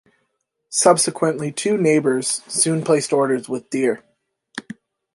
Subsequently two neighbors soon placed orders with Deere.